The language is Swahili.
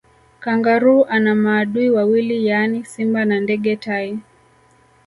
Kangaroo ana maadui wawili yaani simba na ndege tai